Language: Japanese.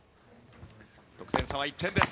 得点差は１点です。